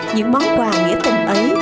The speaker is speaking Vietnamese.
những món quà nghĩa tình ấy